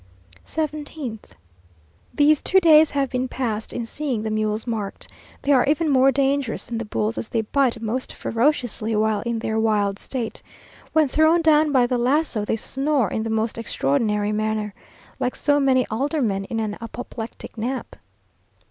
17th. These two days have been passed in seeing the mules marked. They are even more dangerous than the bulls, as they bite most ferociously while in their wild state. When thrown down by the laso, they snore in the most extraordinary manner, like so many aldermen in an apoplectic nap.